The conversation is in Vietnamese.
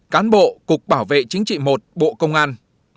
cán bộ cục bảo vệ chính trị một bộ công an